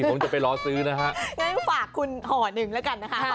ขอบคุณครับ